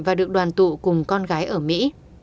và được đoàn tụ cùng con gái ở mỹ